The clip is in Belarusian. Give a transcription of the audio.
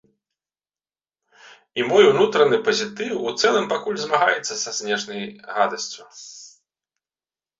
І мой унутраны пазітыў у цэлым пакуль змагаецца са знешняй гадасцю.